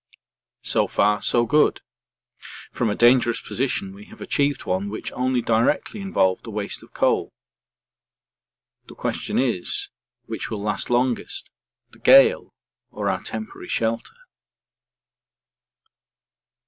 So far so good. From a dangerous position we have achieved one which only directly involved a waste of coal. The question is, which will last longest, the gale or our temporary shelter?